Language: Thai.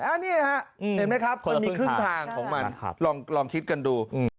อันนี้ฮะเห็นไหมครับมันมีครึ่งทางของมันลองคิดกันดู